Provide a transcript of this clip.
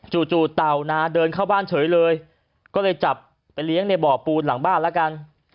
จู่เต่านาเดินเข้าบ้านเฉยเลยก็เลยจับไปเลี้ยงในบ่อปูนหลังบ้านแล้วกัน